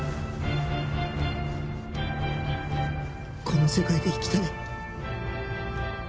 この世界で生きたい